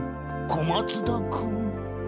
小松田君。